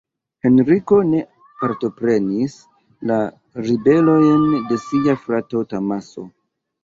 Henriko ne partoprenis la ribelojn de sia frato Tomaso.